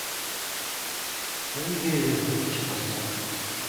Үүнийхээ хэрээр мөнгө ч их олсон.